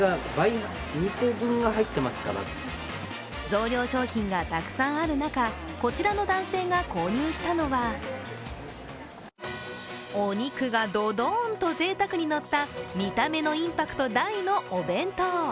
増量商品がたくさんある中、こちらの男性が購入したのはお肉がドドーン！とぜいたくにのった見た目のインパクト大のお弁当。